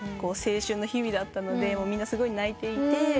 青春の日々だったのでみんなすごい泣いていて。